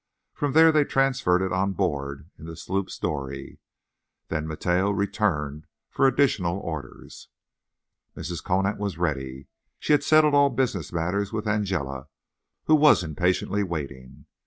From there they transferred it on board in the sloop's dory. Then Mateo returned for additional orders. Mrs. Conant was ready. She had settled all business matters with Angela, and was impatiently waiting.